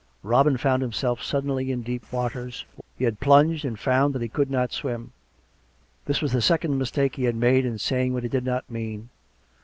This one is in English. ''" Robin found himself suddenly in deep waters. He had plunged and found that he could not swim. This was the second mistake he had made in saying what he did not mean.